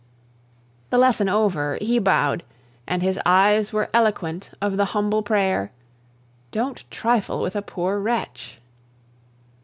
The lesson over, he bowed, and his eyes were eloquent of the humble prayer: "Don't trifle with a poor wretch."